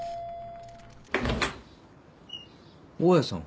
・大家さん。